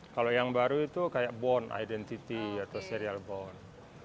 kalau yang baru itu kayak bond identity atau serial bond